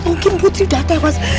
gak mungkin putri udah tewas